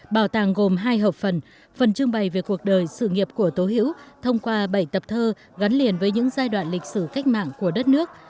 bảo tàng gồm hai hợp phần phần trưng bày về cuộc đời sự nghiệp của tố hữu thông qua bảy tập thơ gắn liền với những giai đoạn lịch sử cách mạng của đất nước